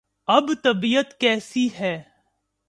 اب طبیعت کیسی ہے؟